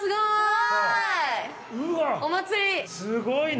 すごいね。